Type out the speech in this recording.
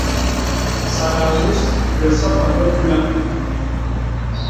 Sàlàwūs bəsɔ̄nɔ̄ bə kùlāŋ.